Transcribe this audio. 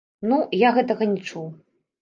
Ну, я гэтага не чуў.